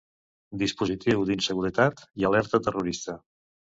Dispositiu d'inseguretat i l'alerta terrorista.